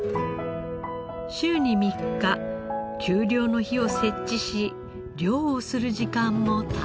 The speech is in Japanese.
週に３日休漁の日を設置し漁をする時間も短縮。